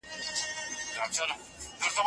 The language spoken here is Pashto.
یوازې لږ پام ته اړتیا ده.